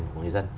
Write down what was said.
của người dân